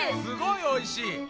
すごいおいしい。